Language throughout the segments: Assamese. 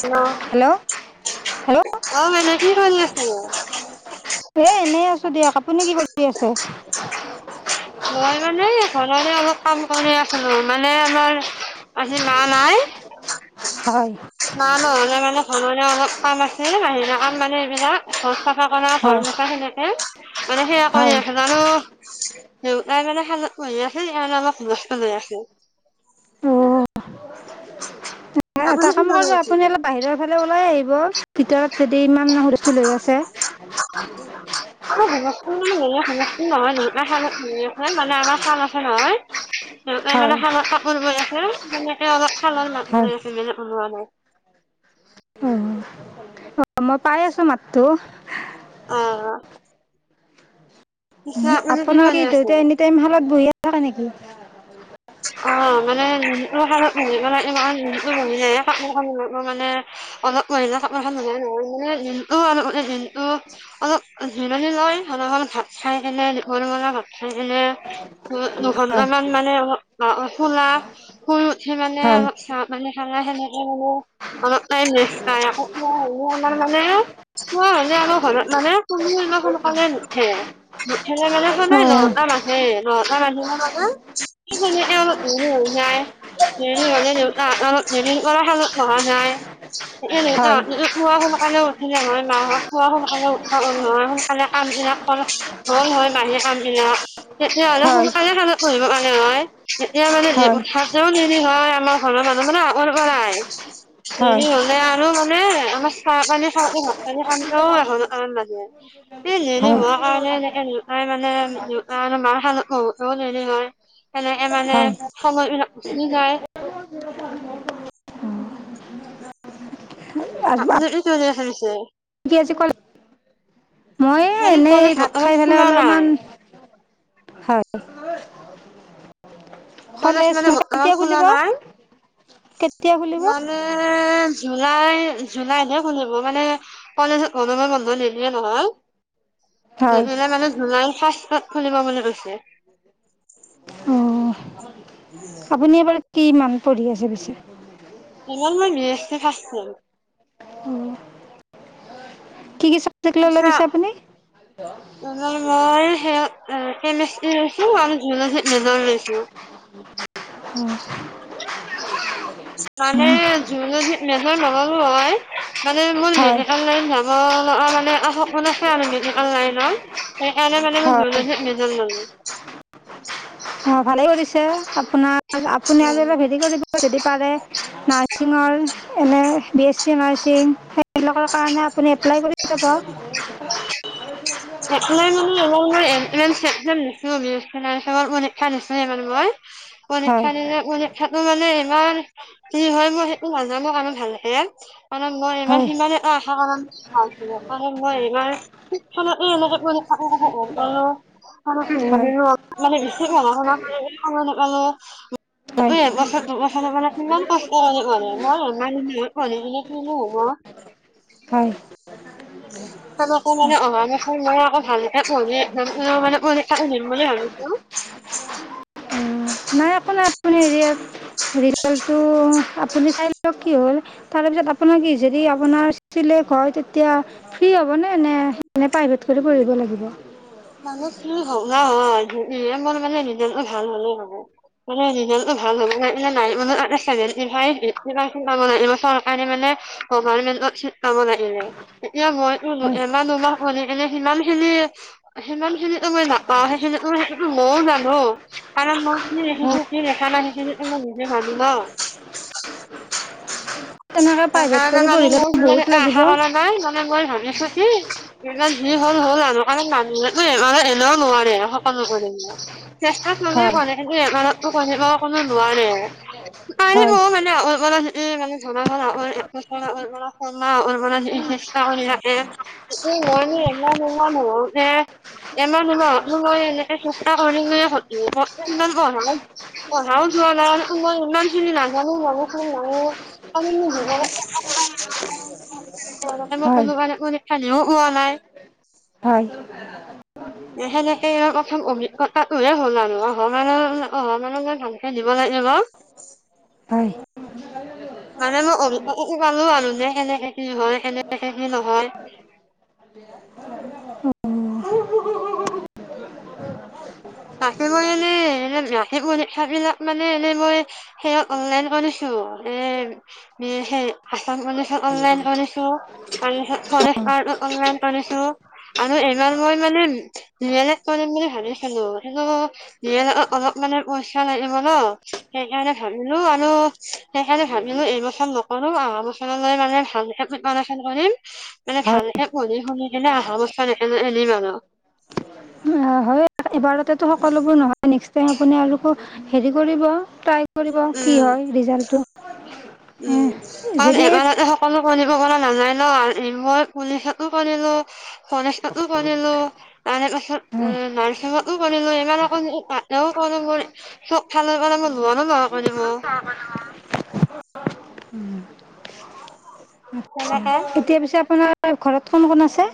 হেল্লো' হেল্ল' হেল্ল' অহ মাইনা কি কৰি আছিলা। এ এনেই আছো দিয়ক আপুনি কি কৰি আছে? মই মানে ঘৰৰে অলপ কাম কৰি আছিলো মানে আমাৰ আজি মা নাই। হয়। মা নহ'লে মানে ঘৰৰে অলপ কাম আছিল বাহিৰা কাম মানে এইবিলাক ঘৰ চাফা ঘৰ চাফা হয় কৰা সেনেকে মানে সেয়া কৰি হয় আছো আৰু দেউতাই মানে সালত বহি আছিল কাৰণে অলপ হুলস্থুল হৈ আছিল [inaudible] অ' এটা আপুনি কি কাম কৰি কৰিব আপুনি আছিলে অলপ বাহিৰৰ ফালে ওলাই আহিব ভিতৰত যদি ইমান হুলুস্থুল [unintelligible] [inaudible] ম মানে ঘম নহয় মানে আমাৰ চাল আছে নহয় [inaudible] সাই মানে হয় শালত কাপোৰ বৈ আছে তেনেকে অলপ শালৰ বৈ হয় আছে মানে বওোৱা নাই [inaudible] অঁ অঁ মই পাই আছোঁ মাতটো। অ। আপোনাৰ কি দেউতাই এনি টাইম শালত বহিয়ে থাকে নেকি। অ মানে শত ঘমিবে ইমান ভমি যায় মানে [inaudible] অলপ মহিলা চ নহয় মানে অলপান [inaudible] অলপ জিৰনি লয় অলপমান ভাত খাই কিনে দীঘল মলা ভাত খাই কিনে [inaudible] হয় দুঘন্টামান মানে অলপ শুলাক শুই উঠি মানে হয় অলপ চা [inaudible] মানে খানা সেনেকে মানে অলপ তাইম আমাৰ মানে [inaudible] কোৱা মানে আমাৰ ঘৰত মানে কোনোৰ ইমান সোনকালে নুঠে [inaudible] [inaudible] মানে অ' অলপ মোৰো হৈ যায়। হয় [inaudible] পুৱা সোনকালে উঠিলে হয়, মাহতক খুৱা সোনকালে উঠা ন, সোনকালে কামবিলাক কৰি হয়, হয়, বাহিৰ কামবিলাক। তেতিয়া হ'লে হয় সোনকালে [unintelligible] পঢ়িব মানে হয়, তেতিয়া মানে [unintelligible] হয় এনেও দেৰি হয়, আমাৰ ঘৰৰ মানুহৰ আগৰ পৰাই। হয় দেৰি হ'লে আৰু মানে আমাৰ চাহ পানী খাওতে ভাত পানী খাওঁতেও এঘাৰটা মান বাজে। এই দেৰি হয় হোৱাৰ কাৰণে এনেকেই মানে মা‌ আৰু দেউতাই [unintelligible] বহিবও দেৰি হয়। সনেকে মানে হয় সময়বিলাক গুচি যায়। [inaudible] [inaudible] কি আজি কলেজ, মই মানে এনেই কলেজ ভাত বৰ্তমান খাই পেলাই খোলা নাই। অলপমান হয়। কলেজ মানে বৰ্তমান কেতিয়া খোলা খুলিব নাই, কেতিয়া খুলিব মানে নে জুলাই, জুলাইত খুলিব মানে কলেজত গৰমৰ বন্ধ নিদিয়ে নহয়। হয় [unintelligible] মানে জুলাইৰ ফাস্তত খুলিব বুলি কৈছে। অ', আপুনি এবাৰ কিমান পঢ়ি আছে পিছে? এইবাৰ মই B S C first sem. কি, কি চাবজেক্ট ল'লে পিছে আপুনি? মই সেই এ, কেমেষ্ট্ৰীত লৈছোঁ আৰু জুলজিত মেজৰ লৈছোঁ। [inaudible] মানে জোলজিত মেজৰ নল'লো হয়, মানে মই হয় [unintelligible] অ', ন মানে সপোন আছে আৰু [unintelligible] লাইন সেইকাৰণে মানে হয় জোলজিত মেজৰ ল'লো। অ', ভালেই কৰিছে। আপোনাৰ আপুনি আৰু অলপ হেৰি কৰিব যদি পাৰে নাৰ্ছিঙৰ, এনে বি এছ চি নাৰ্ছিং, সেইবিলাকৰ কাৰণে আপুনি এপ্লাই কৰি [unintelligible] মানে মই এণ্ট্ৰেন্স এক্সাম পৰীক্ষা দিছিলোঁ বি এছ চি নাৰ্চিঙৰ পৰীক্ষা দিছিলোঁ মানে মই। হয় পৰীক্ষা দিনা খনেই সেইটো মানে ইমান কি হয়, মই সেইটো নাজানো মই কাৰণ ভালকে। মানে মই ইমান হয় সিমান এটা আশা কৰা নাছিলোঁ কাৰণে মই ইমান [inaudible] [inaudible] এই হয় হয় একবছৰ দুবছৰৰ কাৰনে কিমান কষ্ট হ'লে হয়, মই [unintelligible] হয়। [inaudible] তেনেকে অ মানে অহা বছৰ মই আকৌ ভালকে পঢ়ি এক্সামটো দিম বুলি ভাবিছোঁ। নাই একো নাই আপুনি হেৰিয়াত ৰিজালটো আপুনি চাই কি হয়, তাৰ পিছত আপোনাৰ কি যদি আপোনাৰ চিলেক্ট হয়, তেতিয়া ফ্ৰী হ'ব নে, নে প্ৰাইভ কৰি পঢ়িব লাগিব! [inaudible] [unintelligible] [unintelligible] কাম লাগনে এতিয়া মইতো হয় এমাহ দুমাহ শুই থাকিলে এনে সিমান খিনি। সিমান খিনিতো মই নাপাওঁ সেইখিনিত সেইটো টো মইয়ও জানো কাৰণ মই কিয় ৰাখিছে হয় কিয় ৰখা নাই, [inaudible] তাৰ কাৰণে মানে মই তেনেকৈ প্ৰাইভেট কৰি পঢ়িলেতো সিমান বহুত এটা লাগিব আশা কৰা নাই মানে মই ভাবিছো। কি এই যি হ'ল হ'ল আৰু কাৰণ নাম মানে এনেও নোৱাৰে সকলো কৰিব চেষ্টাত মানে হয় কৰে। হয় [unintelligible] এই মানে ধৰা হ'ল [inaudible] [unintelligible] [inaudible] পঢ়াও যোৱা নাই মই ইমান খিনি নাজানো মানুহখিনি [unintelligible] [unintelligible] মই ক'লো হয় কাৰণে পৰীক্ষা দিও পোৱা নাই। হয়। [inaudible] সেনেকে প্ৰথম অভিজ্ঞতা টোহে হ'ল আৰু অহা মানৰ অহা মানলৈ ভালকে দিব লাগিব। হয়। [unintelligible] মানে মই অভিজ্ঞতা টো পালো পালোঁ যে কেনেকে কি হয় কেনেকেে কি নহয়। [inaudible] [unintelligible] সেইবিলাক মানে এনে মই। সেই অনলাইন কৰি এই। সেই আছাম পুলিচত অনলাইন কৰিছোঁ। তাৰ পাছত ফৰেষ্টৰ ও অনলাইন কৰিছো। আৰু এইবাৰ মই মানে ডি এল এড কৰিম বুলি ভাবিছিলোঁ। [inaudible] অলপ মানে পইচা লাগিব ন। সেইকাৰণে ভাবিলো আৰু সেইকাৰণে ভাবিলো এই বছৰ নকৰো আহা বছৰলৈ মানে ভালকে প্ৰিপাৰেচন কৰিম, মানে হয় হয় ভালকে পঢ়ি শুনি কিনে আহা বছৰ আনিম আৰু। হয়, এবাৰতেতো সকলোবোৰ নহয় নেক্সট টাইম আপুনি আৰু হেৰি কৰিব টাই। কি কৰিব কি উম হয় ৰিজাল্টটো। উম, যদি [unintelligible] অকলো কৰিব পৰা নাযায় ন' মই পুলিচটো কৰিলো। ফৰেষ্টোটো কৰিলোঁ তাৰে পাছত হয় নাৰ্চিঙতো কৰিলোঁ।। [inaudible] চব ফালৰ পৰা লোনো লব পাৰিম মই। [unintelligible] তেনেকে এতিয়া পিছে আপোনাৰ ঘৰত কোন কোন আছে?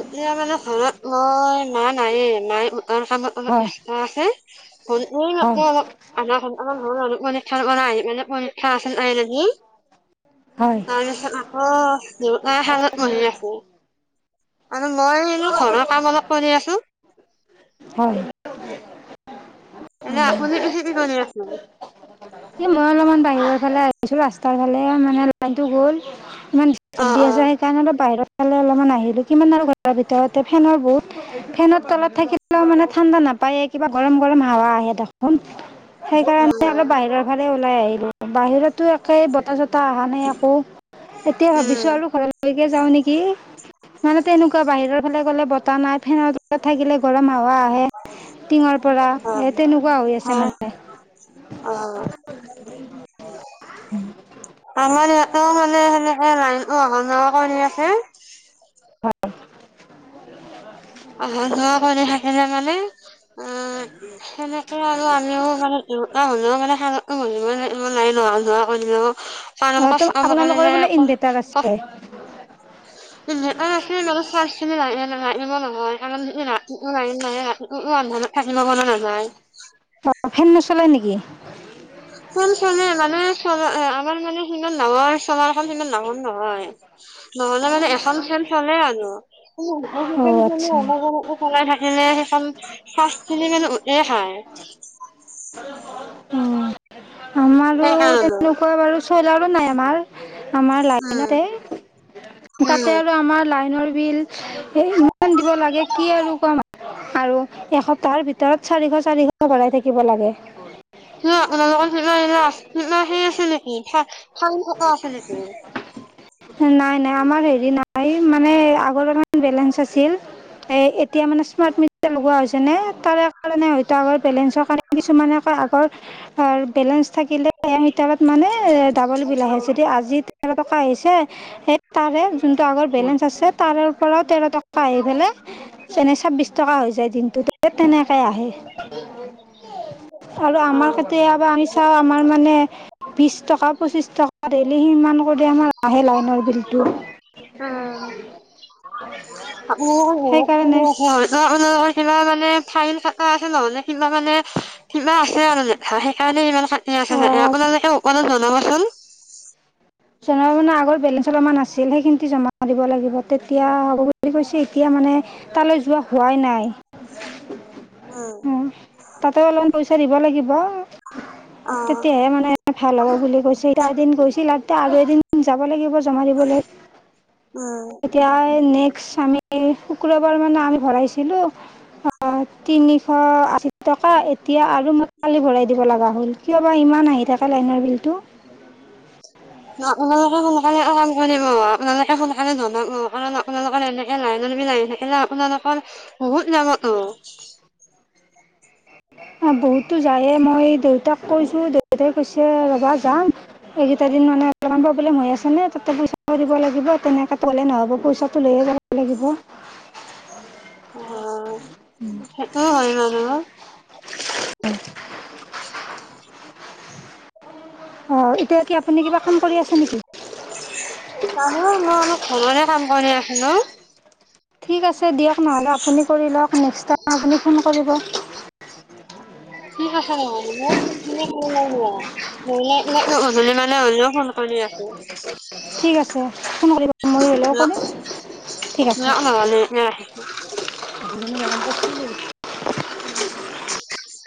এতিয়া মানে ঘৰত মই মা নায়ে মায়ে মাৰ কামত। অলপ হয়, ব্যস্ত আছে [unintelligible] আপোনা সকলো হয়, লৰা-ছোৱালী পোৱালি পৰীক্ষা পৰা আহি পিনে পৰীক্ষা আছে নাই নেকি। হয়, তাৰপিছত আকৌ, দেউতাই শালত বহি আছে। আৰু মই আৰু ঘৰৰ কাম অলপ কৰি আছো। হয়', এনে আপুনি পিছে কি কৰি আছে? এই মই অলপমান বাহিৰৰ ফালে আহিছোঁ ৰাস্তাৰ ফালে, মানে লাইনটো গ'ল। ইমান দিষ্টাপ আছে সেইকাৰনেটো বাহিৰৰ ফালে অলপমান আহিলোঁ, কিমান আৰু ঘৰৰ ভিতৰতে ফেনৰ বহুত ফেনৰ তলত থাকিলেও মানে ঠাণ্ডা নাপায়, কিবা গৰম গৰম হাৱা আহি থাকে দেখোন। সেইকাৰণে অলপ বাহিৰৰ ফালে ওলাই আহিলো, বাহিৰতো একে বতাহ-চতাহ অহা নাই একো। এতিয়া ভাবিছো আৰু ঘৰলৈকে যাওঁ নেকি? মানে তেনেকুৱা বাহিৰৰ ফালে গ'লে বতাহ নাই, ফেনৰ তলত থাকিলে গৰম হাৱা টিঙৰ পৰা, এ' তেনেকুৱা হৈ আছে মানে। অ', আমাৰ ইয়াতো মানে, সেনেকে লাইনতো অহা যোৱা কৰি আছে। হয়', আহা যোৱা কৰি থাকিলে মানে অ', সেনেকে আৰু আমিও মানে দেউতা হলেও মানে স মানিব লাগিব লাইন আহা যোৱা কৰি থাকিব, কাৰণ অ নাই ত কষ্ট আপোনালোকৰ নকৰিলে বোলে ইনভাৰ্টাৰ কষ্ট আছে নেটত ৰাখিবি চাৰ্জ লাগিব নহয় লাগিব নহয়, কাৰণ ৰাতিটো লাইন নাই মোৰ আন্ধাৰত থাকিব মন নাযায়। অ', ফেন নচলে নেকি? ফেন চলে মানে চ' আমাৰ মানে সিমান ডাঙৰ চলাৰ খন সিমান ডাঙৰ নহয়। নহলে মানে এখন ফেন চলে আৰু। অ আচ্ছা চলাই থাকিলে, সেইখন পাঁচ মিনিট মান উতে খায়। অ', আমাৰো সেইকাৰণে তেনেকুৱা বাৰু চলাৰো নাই আমাৰ। আমাৰ উম লাইনতে, তাতে উম আৰু আমাৰ লাইনৰ বিল এ' ইমান দিব লাগে কি আৰু কম আৰু এসপ্তাহৰ ভিতৰত চাৰিশ চাৰিশ ভৰাই থাকিব লাগে। আপোনাৰ লোকৰ ধৰি লোৱা সেই অষ্টিল হেৰি আছে নেকি চা- চা- চাঙ থকা আছে নেকি? নাই নাই আমাৰ হেৰি নাই, মানে আগৰ মানে বেলেঞ্চ আছিল। এতিয়া মানে স্মাৰ্ট মিটাৰ লগোৱা হৈছে নে, তাৰে কাৰণে হয়তো আগৰ বেলেঞ্চৰ কাৰনে কিছুমানে আকৌ আগৰ আৰু বেলেঞ্চ থাকিলে এ' মিটাৰত মানে ডাবল বিল আহে, যদি আজি তেৰ টকা আহিছে সেই তাৰে যোনটো আগৰ বেলেঞ্চ আছে, তাৰে পৰা তেৰ টকা আহি পেলাই এনে ছাব্বিশ টকা হৈ যায় দিনটোত তেনেকে আহে। আৰু অ আমাৰ কেতিয়াবা আমি চাওঁ আমাৰ মানে বিশ টকা পঁচিছ টকা ডেলি সিমান কৰি আমাৰ আহে লাইন। লাইনৰ বিলটো উম সেইকাৰণে। ধৰ আপোনালোকৰ কিবা মানে ফাইন কাটা আছে নহ'লে সিমান মানে কিবা আছে মানে সেইকাৰণে ইমান কাটি আছে, আপোনালোকে ওপৰত জনাবচোন। মানে আগৰ বেলেঞ্চ অলপমান আছিল সেইখিনি জমা দিব লাগিব, তেতিয়া হ'ব বুলি কৈছে এতিয়া মানে তালৈ যোৱা হোৱাই নাই। উম', তাতে অলপমান পইচা দিব লাগিব। অ', তেতিয়াহে মানে ভাল হ'ব বুলি কৈছে, এদিন গৈছিল এতিয়া আৰু এদিন যাব লাগিব, জমা দিবলে। উম। এতিয়া নেক্সট আমি শুক্ৰবাৰ মানে আমি ভৰাইছিলোঁ অ', তিনিশ আশী টকা, এতিয়া আৰু মই কালি ভৰাই দিব লগা হ'ল। কিয় বা ইমান আহি থাকে লাইনৰ বিলটো। উম। [unintelligible] [unintelligible] [unintelligible] আপোনালোকে সোনকালে জনাব। কাৰণ আপোনালোকৰ এনেকে [unintelligible] [unintelligible] [unintelligible] আপোনালোকৰ বহুত যাবটো। অহ, বহুতটো যাইয়ে। মই দেউতাক কৈছোঁ, দে - দেউতাই কৈছে, 'ৰবা যাম'। এইকেইটা দিন মানে [unintelligible] প্ৰব্লেম হৈ আছে নে, তাতে পইচা দিব লাগিব। তেনেকা ক'লে নহ'ব। পইচাটো লৈয়ে যাব লাগিব। অহ, সেইটো হয় বাৰু। উম। অহ, এতিয়া কি আপুনি কিবা কাম কৰি আছে নেকি? কাম অ', মই অলপ ঘৰৰে কাম কৰি আছিলোঁ। ঠিক আছে দিয়ক, নহ'লে আপুনি কৰি লওক, নেক্সট টাইম আপুনি ফোন কৰিব। [unintelligible] ঠিক আছে [unintelligible] [unintelligible] মানে হলিও ফোন- কৰি আছোঁ। ঠিক আছে, ফোন কৰিব। মই হ'লেও কৰিম [unintelligible] [unintelligible] ঠিক আছে [unintelligible] [unintelligible] [unintelligible] উম।